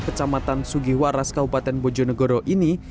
kecamatan sugiwaras kabupaten bojonegoro ini